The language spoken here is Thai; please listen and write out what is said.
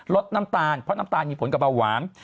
ลดน้ำตาลเพราะน้ำตาลมีผลกับเบาหวาน